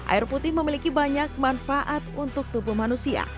air putih memiliki banyak manfaat untuk tubuh manusia